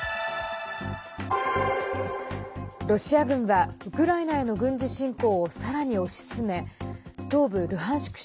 ロシア軍はウクライナへの軍事侵攻をさらに推し進め東部ルハンシク